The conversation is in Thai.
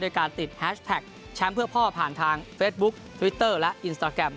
การติดแฮชแท็กแชมป์เพื่อพ่อผ่านทางเฟซบุ๊คทวิตเตอร์และอินสตราแกรม